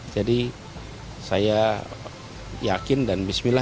jadi saya yakin dan bismillahirrahmanirrahim